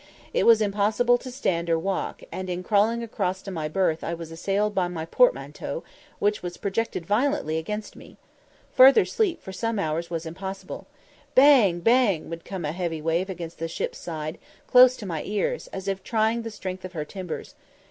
It was impossible to stand or walk, and in crawling across to my berth I was assailed by my portmanteau, which was projected violently against me. Further sleep for some hours was impossible. Bang! bang! would come a heavy wave against the ship's side, close to my ears, as if trying the strength of her timbers.